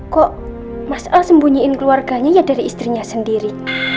kok mas al sembunyiin keluarganya ya dari istrinya sendiri